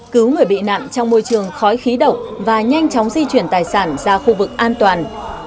cứu người bị nạn trong môi trường khói khí độc và nhanh chóng di chuyển tài sản ra khu vực an toàn